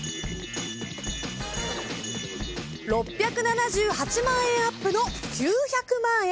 ６７８万円アップの９００万円。